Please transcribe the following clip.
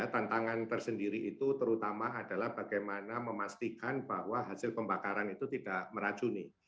tantangan tersendiri itu terutama adalah bagaimana memastikan bahwa hasil pembakaran itu tidak meracuni